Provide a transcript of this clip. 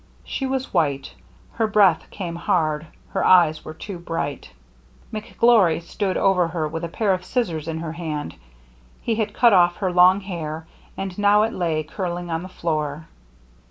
She was white; her breath came hard; her eyes were too bright. McGlory stood over her with a pair of scissors in his hand. He had cut off her long hair, and now it lay curling on the floor.